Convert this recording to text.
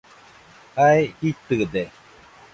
Jae jitɨde